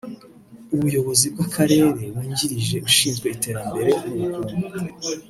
Umuyobozi w’Akarere wungirije ushinzwe iterambere n’ubukungu